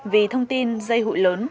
vì thông tin dây hủy lớn